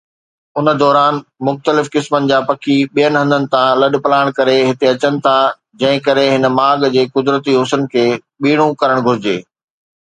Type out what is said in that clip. ان دوران مختلف قسمن جا پکي ٻين هنڌن تان لڏپلاڻ ڪري هتي اچن ٿا، جنهن ڪري هن ماڳ جي قدرتي حسن کي ٻيڻو ڪرڻ گهرجي.